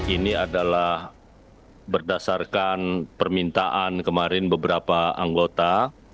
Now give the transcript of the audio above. ini adalah berdasarkan permintaan kemarin beberapa anggota